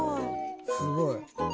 すごい。